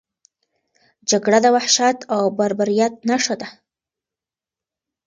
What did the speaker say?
جګړه د وحشت او بربریت نښه ده.